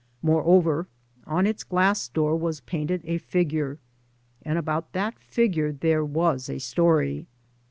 Moreover, on its glass door was ' painted a figure, and about that figure there was a story.